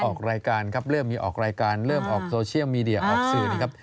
ออกรายการครับเริ่มมีออกรายการเริ่มออกโซเชียลมีเดียออกสื่อนะครับ